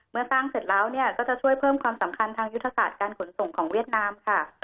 เมื่อสร้างเสร็จแล้วเนี่ยก็จะช่วยเพิ่มความสำคัญทางยุทธศาสตร์การขนส่งของเวียดนามค่ะ